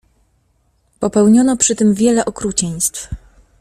Popełniano przy tym wiele okrucieństw.